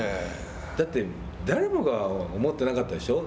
だって、誰もが思ってなかったでしょう。